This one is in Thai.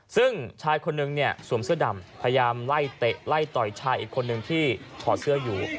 ซึ่งชายคนนึงเนี่ยสวมเสื้อดำพยายามไล่เตะไล่ต่อยชายอีกคนนึงที่ถอดเสื้ออยู่